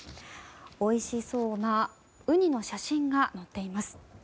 おいしそうなウニの写真が載っています。